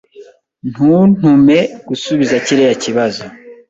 Ntuntume gusubiza kiriya kibazo.